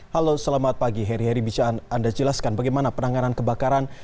halo selamat pagi heri heri bisa anda jelaskan bagaimana penanganan kebakaran